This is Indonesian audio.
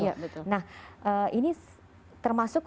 nah ini termasuk